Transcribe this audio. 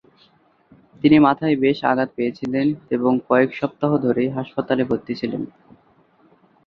তিনি মাথায় বেশ আঘাত পেয়েছিলেন এবং কয়েক সপ্তাহ ধরে হাসপাতালে ভর্তি ছিলেন।